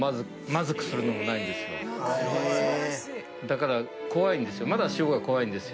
だから怖いんですよ。